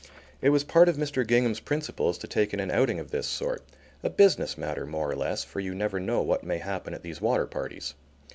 It was part of Mr. Gingham's principles to take in an outing of this sort, a business matter, more or less, for you never know what may happen at these water parties.